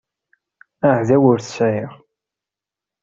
Aεdaw ur t-sεiɣ.